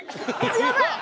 やばい。